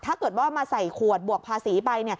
ถ้าเกิดว่ามาใส่ขวดบวกภาษีไป